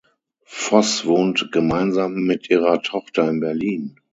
Voss wohnt gemeinsam mit ihrer Tochter in Berlin.